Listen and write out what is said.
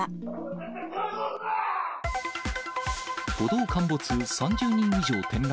歩道陥没、３０人以上転落。